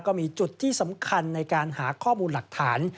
ก็มีจุดที่สำคัญในการหาข้อมูลหลักฐาน